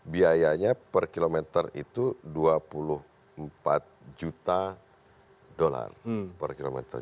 biayanya per kilometer itu dua puluh empat juta dolar per kilometer